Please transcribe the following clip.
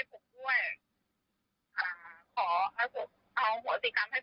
อ่าผมผมไม่เหมือนผมไม่สบายใจอะไรอย่างเงี้ยผมไม่สบายใจอะไรอย่างเงี้ย